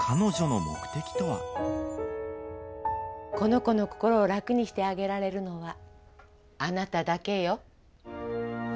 この子の心を、楽にしてあげられるのは、あなただけよ。